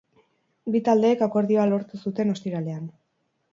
Bi taldeek akordioa lortu zuten ostiralean.